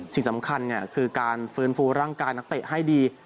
สิ่งสำคัญคือการฟื้นฟูร่างกายนักเตะให้ดี